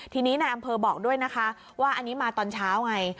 ทีนี้นายอำเภอบอกด้วยนะคะว่าอันนี้มาตอนเช้าไง